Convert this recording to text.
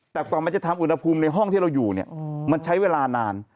แต่กว่ามันจะทำอุณหภูมิในห้องที่เราอยู่เนี่ยมันใช้เวลานาน